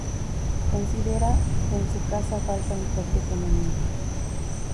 Considera que en su casa falta un toque femenino.